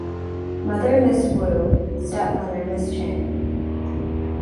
Mother Ms. Wu; Stepmother Ms. Chang.